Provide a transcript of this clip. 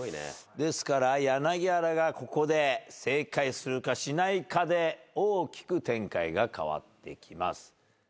ですから柳原がここで正解するかしないかで大きく展開が変わってきます。